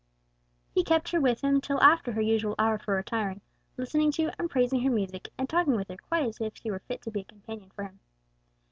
He kept her with him till after her usual hour for retiring, listening to, and praising her music and talking with her quite as if she were fit to be a companion for him.